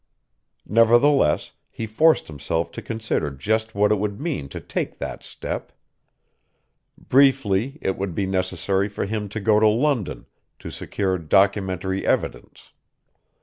Nevertheless, he forced himself to consider just what it would mean to take that step. Briefly it would be necessary for him to go to London, to secure documentary evidence.